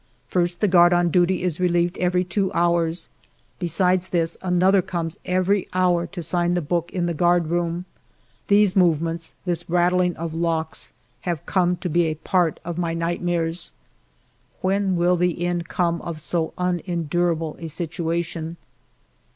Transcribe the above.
First, the guard on duty is relieved every two hours ; besides this, another comes every hour to sign the book in the guard room. These move ments, this rattling of locks, have come to be a part of my nightmares. When will the end come of so unendurable a situation